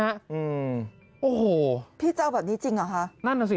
อืมโอ้โหพี่จะเอาแบบนี้จริงเหรอคะนั่นน่ะสิ